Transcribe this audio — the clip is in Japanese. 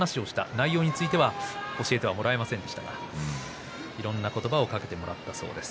内容については教えてもらえませんでしたがいろんな言葉をかけてもらったそうです。